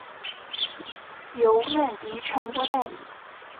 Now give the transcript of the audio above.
由曼迪传播代理。